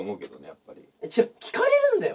やっぱり違う聞かれるんだよ